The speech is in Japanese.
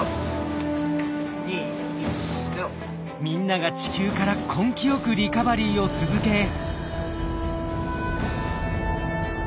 みんなが地球から根気よくリカバリーを続け。